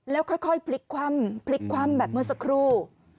ลำแบบเมื่อสักครู่